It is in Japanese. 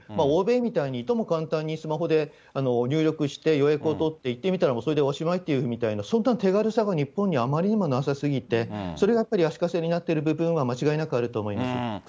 欧米みたいにいとも簡単にスマホで入力して予約を取って、行ってみたら、それでおしまいというような、そんな手軽さが日本にはあまりにもなさすぎて、それがやっぱり足かせになってる部分は、間違いなくあると思います。